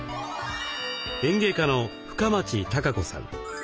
園芸家の深町貴子さん。